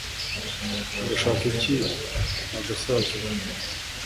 urashaka iki wagasaza we